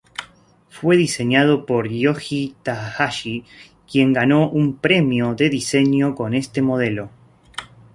Fue diseñado por Shoji Takahashi, quien ganó un premio de diseño con este modelo.